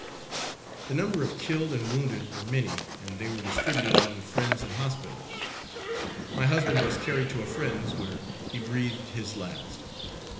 The number of killed and wounded were many, and they were distributed among friends and hospitals; my husband was carried to a friend's, where he breathed his last.